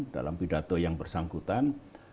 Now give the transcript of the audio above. dalam pidato yang bersangkutan